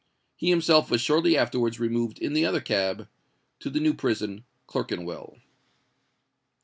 He himself was shortly afterwards removed in the other cab to the New Prison, Clerkenwell.